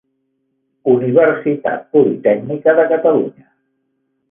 Universitat Politècnica de Catalunya.